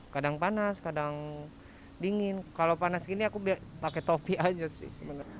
kadang panas kadang dingin kalau panas gini aku pakai topi aja sih sebenarnya